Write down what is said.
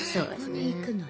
そこに行くのね。